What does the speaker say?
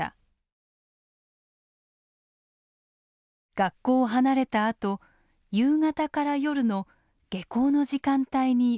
学校を離れたあと夕方から夜の下校の時間帯に最も集中しています。